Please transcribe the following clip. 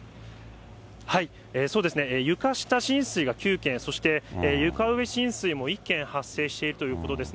床下浸水が９件、そして床上浸水も１件発生しているということです。